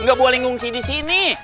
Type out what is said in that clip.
nggak boleh ngungsi disini